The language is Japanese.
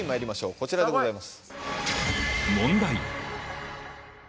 こちらでございます